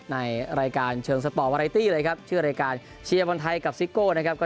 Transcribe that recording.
ในรายการเชิงสปอร์ตวารัยตี้ชื่อรายการเชียบร้อยไทยกับซี่โก้